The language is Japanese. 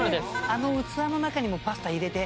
あの器の中にもパスタ入れて。